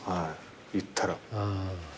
いったら。